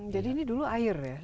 jadi ini dulu air ya